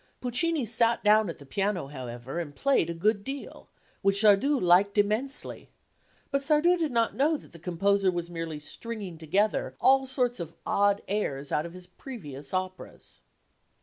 Puccini sat down at the piano, however, and played a good deal, which Sardou liked immensely. But Sardou did not know that the composer was merely stringing together all sorts of odd airs out of his previous operas.